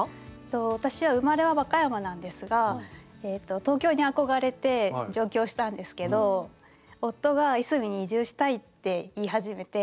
私は生まれは和歌山なんですが東京に憧れて上京したんですけど夫が「いすみに移住したい」って言い始めて。